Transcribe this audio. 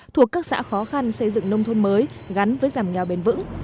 thuộc các xã khó khăn xây dựng nông thôn mới gắn với giảm nghèo bền vững